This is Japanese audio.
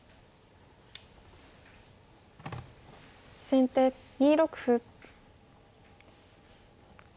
先手２六歩。